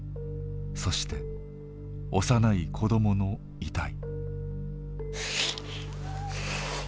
そして幼い子どもの遺体。